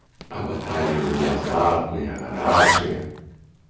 А баталіі былі азартныя, гарачыя.